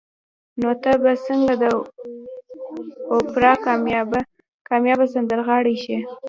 نو ته به څنګه د اوپرا کاميابه سندرغاړې شې